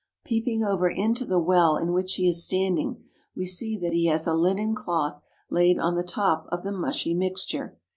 Peeping over into the well in which he is stand ing, we see that he has a linen cloth laid on the top of the mushy mixture.